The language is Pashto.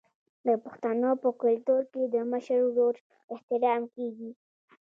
د پښتنو په کلتور کې د مشر ورور احترام کیږي.